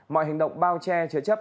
mọi hành động bao che chớ chấp